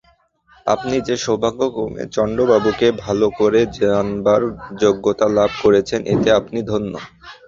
আপনি যে সৌভাগ্যক্রমে চন্দ্রবাবুকে ভালো করে জানবার যোগ্যতা লাভ করেছেন এতে আপনি ধন্য।